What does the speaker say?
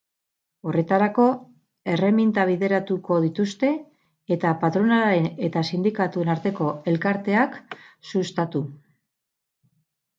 Horretarako, erreminta bideratuko dituzte, eta patronalaren eta sindikatuen arteko elkarteak sustatu.